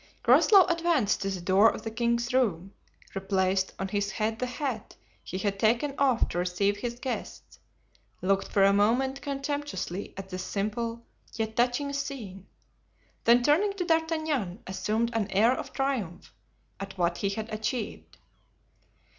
Groslow advanced to the door of the king's room, replaced on his head the hat he had taken off to receive his guests, looked for a moment contemptuously at this simple, yet touching scene, then turning to D'Artagnan, assumed an air of triumph at what he had achieved.